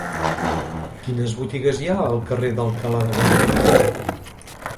Quines botigues hi ha al carrer d'Alcalá de Guadaira?